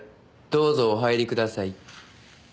どうぞお入りください。